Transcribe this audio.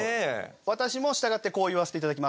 私も従ってこう言わせて頂きます。